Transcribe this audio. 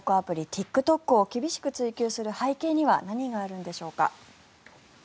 ＴｉｋＴｏｋを厳しく追及する背景には何があるんでしょうか。